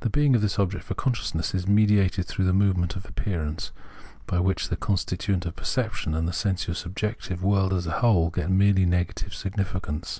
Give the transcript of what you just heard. The being of this object for consciousness is mediated through the movement of appearance, by which the content of perception and the sensuous objective world as a whole, get merely negative significance.